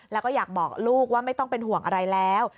แล้วก็อยากบอกลูกว่าไม่ต้องเป็นห่วงอะไรแล้ว